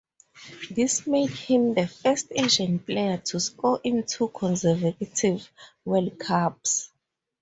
This made him the first Asian player to score in two consecutive World Cups.